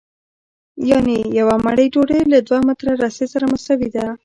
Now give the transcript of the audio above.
یانې یوه مړۍ ډوډۍ له دوه متره رسۍ سره مساوي ده